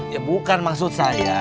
ya bukan maksud saya